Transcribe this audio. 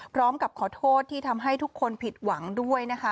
พร้อมกับขอโทษที่ทำให้ทุกคนผิดหวังด้วยนะคะ